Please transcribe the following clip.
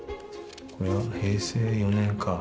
これは平成４年か。